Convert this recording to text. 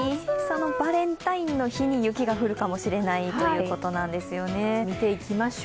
そのバレンタインの日に雪が降るかもしれないということなんですよね。